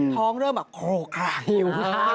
ท้องเริ่มแบบโอ๊ะหิว